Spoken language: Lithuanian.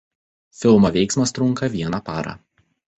Filmo veiksmas trunka vieną parą.